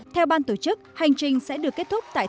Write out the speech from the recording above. theo ban tổ chức hành trình sẽ được kết thúc tại